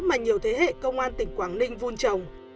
mà nhiều thế hệ công an tỉnh quảng ninh vun trồng